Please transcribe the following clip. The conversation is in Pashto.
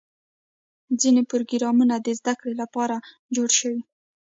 ځینې پروګرامونه د زدهکړې لپاره جوړ شوي.